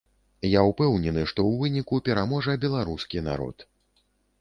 Я ўпэўнены, што ў выніку пераможа беларускі народ.